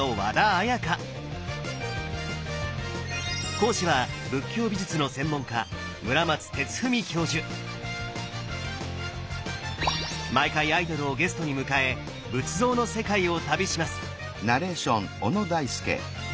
講師は仏教美術の専門家毎回アイドルをゲストに迎え仏像の世界を旅します！